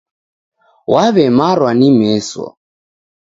Waw'emarwa ni meso.